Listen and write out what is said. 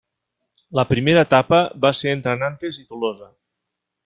La primera etapa va ser entre Nantes i Tolosa.